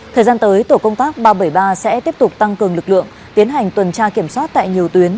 thời gian tới tổ công tác ba trăm bảy mươi ba sẽ tiếp tục tăng cường lực lượng tiến hành tuần tra kiểm soát tại nhiều tuyến